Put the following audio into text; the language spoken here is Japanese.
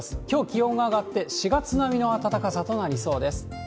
きょう、気温が上がって４月並みの暖かさとなりそうです。